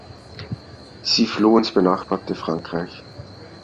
Sie floh ins benachbarte Frankreich.